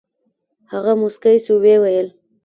هغه موسكى سو ويې ويل.